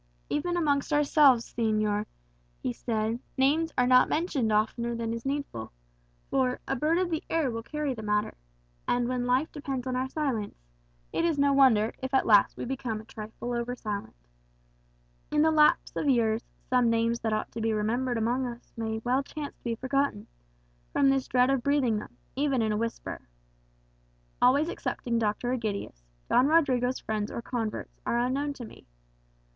"Even amongst ourselves, señor," he said, "names are not mentioned oftener than is needful. For 'a bird of the air will carry the matter;' and when life depends on our silence, it is no wonder if at last we become a trifle over silent. In the lapse of years, some names that ought to be remembered amongst us may well chance to be forgotten, from this dread of breathing them, even in a whisper. Always excepting Dr. Egidius, Don Rodrigo's friends or converts are unknown to me.